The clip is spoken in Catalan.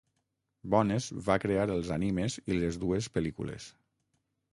Bones va crear els animes i les dues pel·lícules.